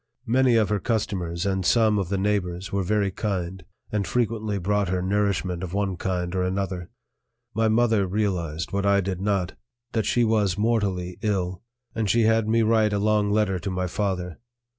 Many of her customers and some of the neighbors were very kind, and frequently brought her nourishment of one kind or another. My mother realized what I did not, that she was mortally ill, and she had me write a long letter to my father.